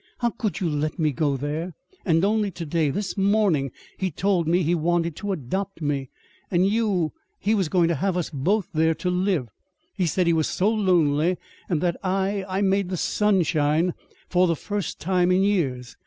"How could you let me go there? And only to day this morning, he told me he wanted to adopt me! And you he was going to have us both there to live. He said he was so lonely, and that I I made the sun shine for the first time for years.